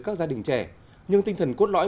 các gia đình trẻ nhưng tinh thần cốt lõi